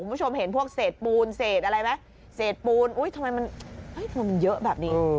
คุณผู้ชมเห็นพวกเศษปูนเศษอะไรไหมเศษปูนอุ้ยทำไมมันเยอะแบบนี้